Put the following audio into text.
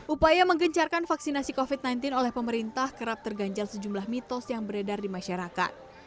upaya menggencarkan vaksinasi covid sembilan belas oleh pemerintah kerap terganjal sejumlah mitos yang beredar di masyarakat